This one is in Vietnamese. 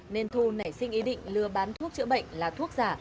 nên thu nảy sinh ý định lừa bán thuốc chữa bệnh là thuốc giả